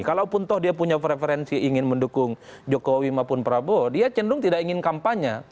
kalaupun toh dia punya preferensi ingin mendukung jokowi maupun prabowo dia cenderung tidak ingin kampanye